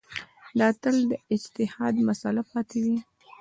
دا تل د اجتهاد مسأله پاتې وي.